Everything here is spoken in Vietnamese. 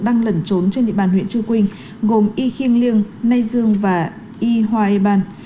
đang lẩn trốn trên địa bàn huyện chư quynh gồm y khiêng liêng nay dương và y hoa e ban